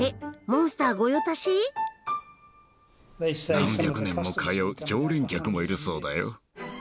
何百年も通う常連客もいるそうだよ。